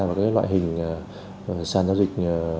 với các loại hình sàn giao dịch